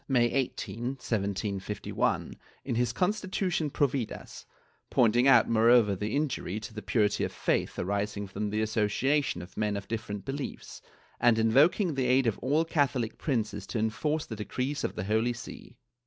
May 18, 1751, in his constitution Providas, pointing out moreover the injury to the purity of the faith arising from the association of men of different beliefs, and invoking the aid of all Catholic princes to enforce the decrees of the Holy See.